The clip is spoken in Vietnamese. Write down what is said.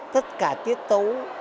tất cả tiết tấu